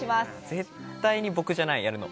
絶対に僕じゃない、やるの。